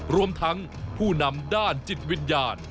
รวมทั้งผู้นำด้านจิตวิญญาณ